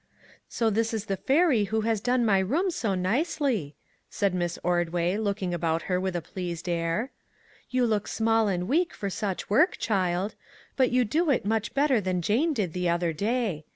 " So this is the fairy who has done my room so nicely," said Miss Ordway, looking about her with a pleased air. " You look small and weak for such work, child ; but you do it much better than Jane did the other day.